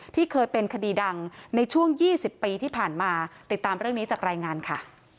ที่เคยเป็นคดีดังในช่วง๒๐ปีที่ผ่านมาติดตามเรื่องนี้จากรายงานค่ะ